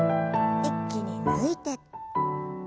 一気に抜いて。